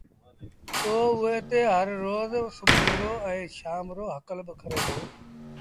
پو اُئي تي هر روز سڀو ائيٚݩ شآم هڪل با ڪري دو